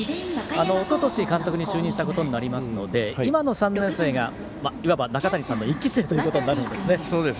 おととし監督に就任したことになりますので今の３年生がいわば中谷さんの１期生ということになるんですね。